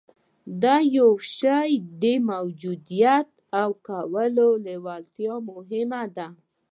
د يوه شي د موجوديت او کولو لېوالتيا مهمه ده.